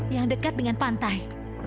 yang dekat dengan pantai